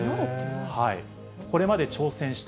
これまで挑戦した